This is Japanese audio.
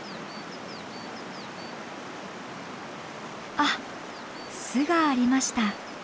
あっ巣がありました。